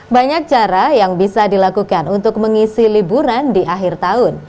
banyak cara yang bisa dilakukan untuk mengisi liburan di akhir tahun